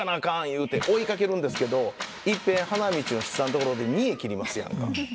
いうて追いかけるんですけどいっぺん花道の七三の所で見得切りますやんか。